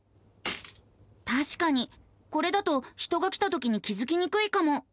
たしかにこれだと人が来たときに気付きにくいかも。